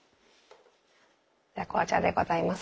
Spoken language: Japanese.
紅茶でございます。